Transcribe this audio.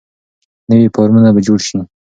نوي فارمونه به جوړ شي.